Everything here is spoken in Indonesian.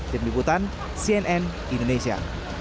tim liputan cnn indonesia